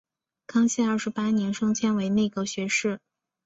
康熙二十八年升迁为内阁学士。